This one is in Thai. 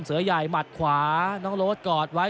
เสือใหญ่หมัดขวาน้องโรสกอดไว้